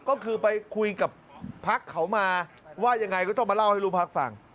ก็คือไปคุยกับพักเขามาว่ายังไงก็ต้องมาเล่าให้ลูกพักฟัง